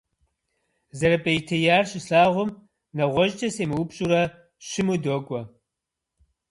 ЗэрыпӀейтеяр щыслъагъум, нэгъуэщӀкӀэ семыупщӀурэ, щыму докӀуэ.